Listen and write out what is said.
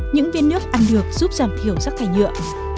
những viên nước ăn được giúp giảm thiểu rắc rải nhựa